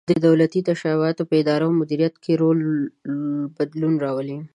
د دولتي تشبثاتو په اداره او مدیریت کې بدلون راولي.